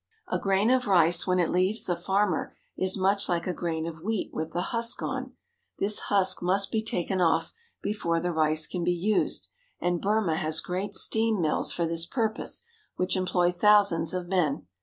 A grain of rice when it leaves the farmer is much like a grain of wheat with the husk on. This husk must be taken off before the rice can be used, and Burma has great INDUSTRIAL BURMA. RICE 229 steam mills for this purpose which employ thousands of men.